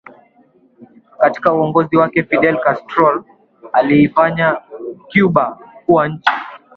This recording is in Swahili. Katika uongozi wake Fidel Castrol aliifanya Cuba kuwa nchi